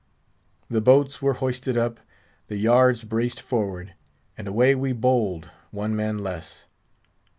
The boats were hoisted up, the yards braced forward, and away we bowled—one man less.